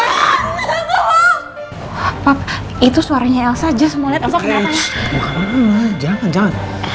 itu kan apa itu suaranya elsa jess mau liat elsa kenapa